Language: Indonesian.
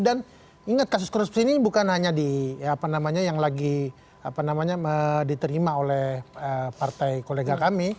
dan ingat kasus korupsi ini bukan hanya yang lagi diterima oleh partai kolega kami